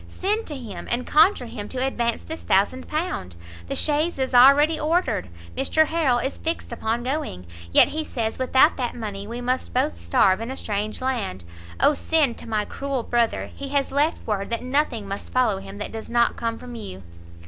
send to him, and conjure him to advance this thousand pound! the chaise is already ordered, Mr Harrel is fixed upon going, yet he says without that money we must both starve in a strange land, O send to my cruel brother! he has left word that nothing must follow him that does not come from you."